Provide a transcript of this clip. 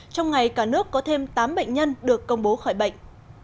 trong ngày cả nước có thêm tám bệnh nhân được công bố khỏi bệnh